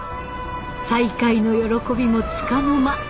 再会の喜びもつかの間。